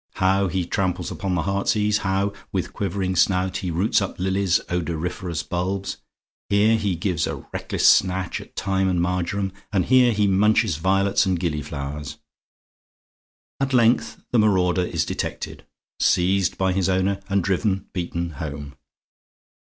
How he tramples upon the heart's ease: how, with quivering snout, he roots up lilies odoriferous bulbs! Here he gives a reckless snatch at thyme and marjoram and here he munches violets and gilly flowers. At length the marauder is detected, seized by his owner, and driven, beaten home.